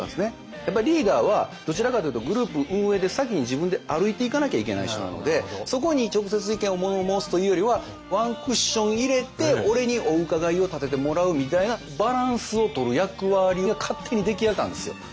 やっぱリーダーはどちらかというとグループ運営で先に自分で歩いていかなきゃいけない人なのでそこに直接意見を物申すというよりはワンクッション入れて俺にお伺いを立ててもらうみたいなバランスをとる役割が勝手に出来上がってたんですよ。